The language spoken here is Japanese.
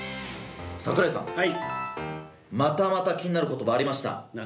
櫻井さん、またまた気になる言葉がありました。